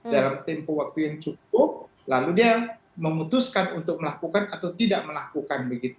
dalam tempo waktu yang cukup lalu dia memutuskan untuk melakukan atau tidak melakukan begitu